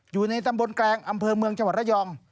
อยู่ในตำบลแกลงอำเภอเมืองจังหวัดระยอง